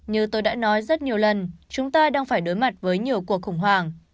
như tôi đã nói rất nhiều lần chúng ta đang phải đối mặt với nhiều cuộc khủng hoảng